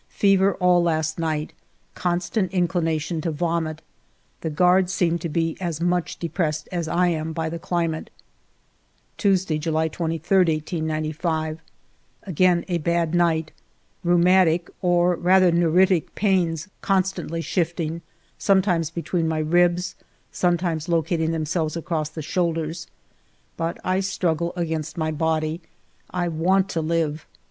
Fever all last night ; constant inclination to vomit. The guards seem to be as much ae pressed as I am by the climate. 'Tuesday^ July 23, 1895. Again a bad night. Rheumatic, or rather neu riticj pains constantly shifting, sometimes between my ribs, sometimes locating themselves across the shoulders. But I struggle against my body ,' I want to live.